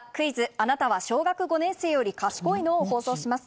あなたは小学５年生より賢いの？を放送します。